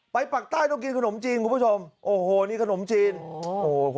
ปากใต้ต้องกินขนมจีนคุณผู้ชมโอ้โหนี่ขนมจีนโอ้โห